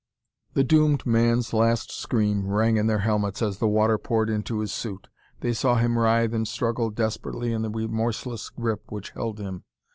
The doomed man's last scream rang in their helmets as the water poured into his suit. They saw him writhe and struggle desperately in the remorseless grip which held him.